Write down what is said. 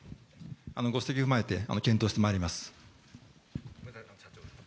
ご指摘を踏まえて検討してまいります。